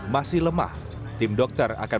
masih lemah tim dokter akan